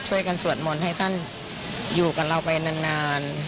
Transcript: สวดมนต์ให้ท่านอยู่กับเราไปนาน